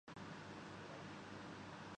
استعمال کیا جارہا ہے ۔